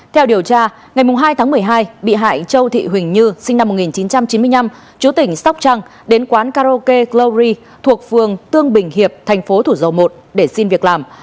theo điều tra ngày hai tháng một mươi hai bị hại châu thị huỳnh như sinh năm một nghìn chín trăm chín mươi năm chú tỉnh sóc trăng đến quán karaoke cluri thuộc phường tương bình hiệp thành phố thủ dầu một để xin việc làm